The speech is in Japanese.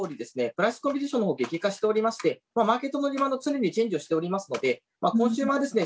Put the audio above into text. プライスコンペティションのほう激化しておりましてマーケットのリバウンド常にチェンジをしておりますのでコンシューマーですね